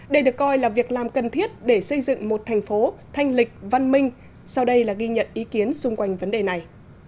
đây được coi là việc làm cần thiết để xây dựng một thành phố thanh lịch văn minh sau đây là ghi nhận ý kiến xung quanh vấn đề này